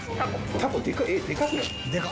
タコでかくない？